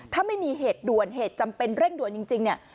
ถ้าไม่มีเหตุด่วนเหตุจำเป็นเร่งด่วนจริงเนี่ย